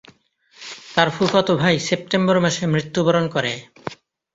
তার ফুফাতো ভাই সেপ্টেম্বর মাসে মৃত্যুবরণ করে।